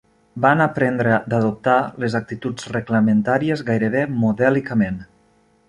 Van aprendre d'adoptar les actituds reglamentàries gairebé modèlicament